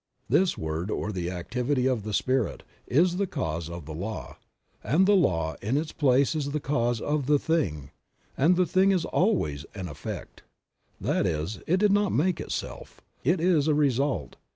This Word or the activity of the Spirit, is the cause of the law, and the law in its place is the cause of the thing, and the thing is always an effect ; that is, it did not make itself ; it is a result.